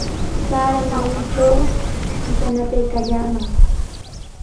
Sara muruytraw yanapaykallamay.